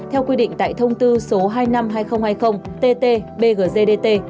theo quy định tại thông tư số hai trăm năm mươi hai nghìn hai mươi ttbgzdt